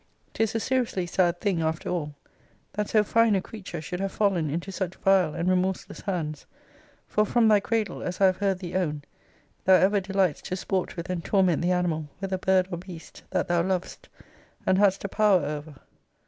'Tis a seriously sad thing, after all, that so fine a creature should have fallen into such vile and remorseless hands: for, from thy cradle, as I have heard thee own, thou ever delightedst to sport with and torment the animal, whether bird or beast, that thou lovedst, and hadst a power over.